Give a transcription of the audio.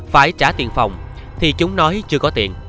phải trả tiền phòng thì chúng nói chưa có tiền